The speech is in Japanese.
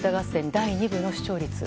第２部の視聴率。